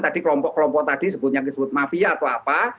tadi kelompok kelompok tadi disebutnya disebut mafia atau apa